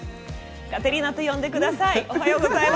カテリーナと呼んでください。